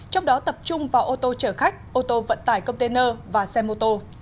trong đó tập trung vào ô tô chở khách ô tô vận tải container và xe mô tô